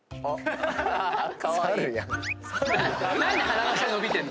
何で鼻の下伸びてんの？